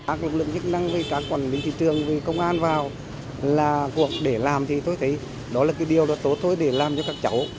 các lực lượng chức năng các quản lý thị trường công an vào là cuộc để làm thì tôi thấy đó là điều tốt thôi để làm cho các cháu